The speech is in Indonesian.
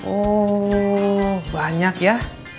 oh banyak ya